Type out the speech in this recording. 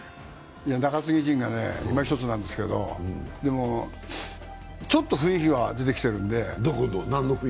中継ぎ陣がいまひとつなんですけどでもちょっと雰囲気は出てきてるんで。